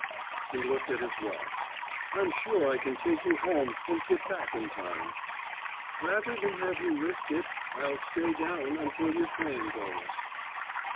He looked at his watch. "I'm sure I can take you home and get back in time." "Bather than have you risk it, I'll stay down until your train goes."